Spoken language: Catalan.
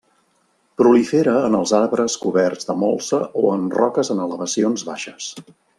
Prolifera en els arbres coberts de molsa o en roques en elevacions baixes.